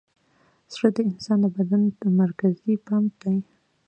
زړه د انسان د بدن مرکزي پمپ دی.